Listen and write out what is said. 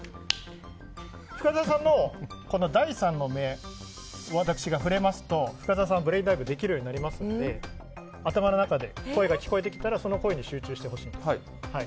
深澤さんの第３の目に私がふれると深澤さんはブレインダイブができるようになりますので頭の中で、声が聞こえてきたらその声に集中してほしいです。